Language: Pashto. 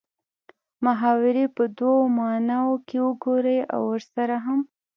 محاورې په دوو معنو کښې وګورئ او ورسره هم